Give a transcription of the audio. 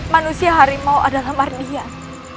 manusia harimau adalah mardian